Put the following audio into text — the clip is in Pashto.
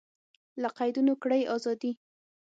له قیدونو کړئ ازادي